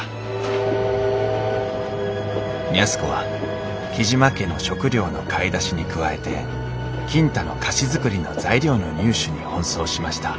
安子は雉真家の食糧の買い出しに加えて金太の菓子作りの材料の入手に奔走しました。